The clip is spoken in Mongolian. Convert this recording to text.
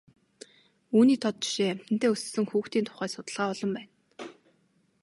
Үүний тод жишээ амьтантай өссөн хүүхдийн тухай судалгаа олон байна.